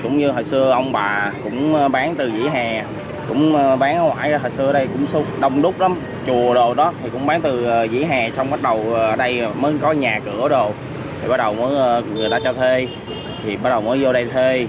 người ta cho thuê thì bắt đầu mới vô đây thuê